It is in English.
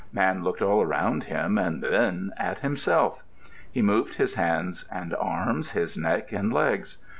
Man looked all around him and then at himself. He moved his hands and arms, his neck and legs.